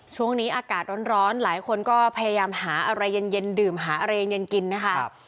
ช่วงนี้อากาศร้อนหลายคนก็พยายามหาอะไรเย็นดื่มหาอะไรเย็นกินนะคะ